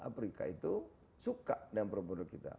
afrika itu suka dengan produk produk kita